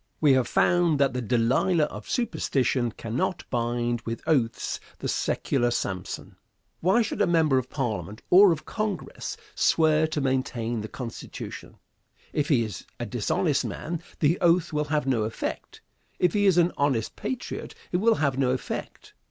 We have found that the Delilah of superstition cannot bind with oaths the secular Samson. Why should a member of Parliament or of Congress swear to maintain the Constitution? If he is a dishonest man, the oath will have no effect; if he is an honest patriot, it will have no effect.